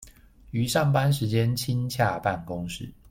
於上班時間親洽辦公室